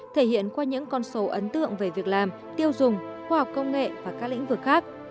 thể hiện qua những con số ấn tượng về việc làm tiêu dùng khoa học công nghệ và các lĩnh vực khác